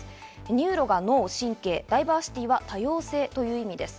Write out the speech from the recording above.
ニューロが脳・神経、ダイバーシティは多様性という意味です。